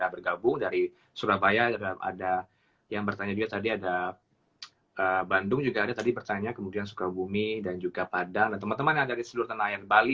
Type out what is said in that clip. berdua banyak yang berdoa dapat mulai